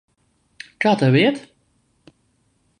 Kā tev iet?